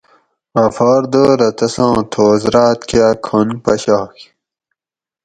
غفار دورہ تساں تھوس راۤت کاۤ کھۤن پشاگ